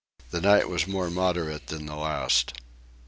The night was more moderate than the last.